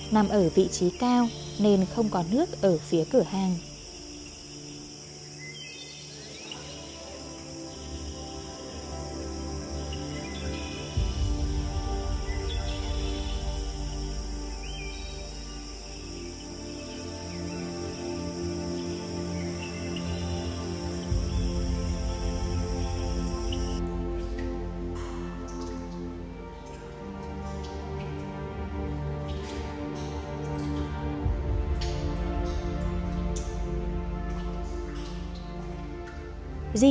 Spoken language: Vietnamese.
nằm ở vị trí cao nên không có nước ở phía cửa hang